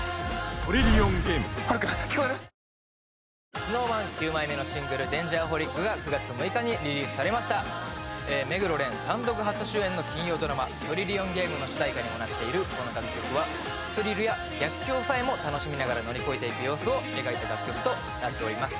ＳｎｏｗＭａｎ９枚目のシングル「Ｄａｎｇｅｒｈｏｌｉｃ」が９月６日にリリースされました目黒蓮単独初主演の金曜ドラマ「トリリオンゲーム」の主題歌にもなっているこの楽曲はスリルや逆境さえも楽しみながら乗り越えていく様子を描いた楽曲となっております